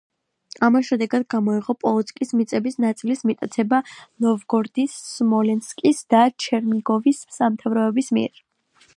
ამან შედეგად გამოიღო პოლოცკის მიწების ნაწილის მიტაცება ნოვგოროდის, სმოლენსკის და ჩერნიგოვის სამთავროების მიერ.